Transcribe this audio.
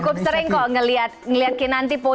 saya cukup sering kok ngeliat kinanti posisi